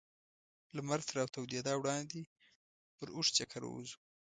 لمر تر راتودېدا وړاندې پر اوږد چکر ووځو.